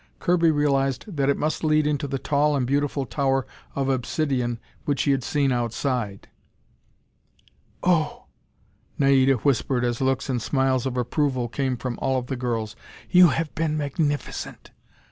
Kirby realized that it must lead into the tall and beautiful tower of obsidion which he had seen outside. "Oh," Naida whispered as looks and smiles of approval came from all of the girls, "you have been magnificent!